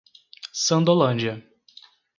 Sandolândia